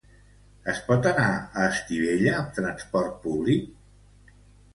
Es pot anar a Estivella amb transport públic?